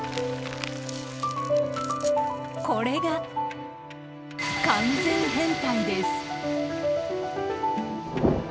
これが完全変態です。